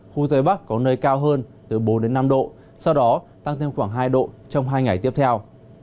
khu tây bắc có nơi cao hơn từ bốn đến năm độ sau đó tăng thêm khoảng hai độ trong hai ngày tiếp theo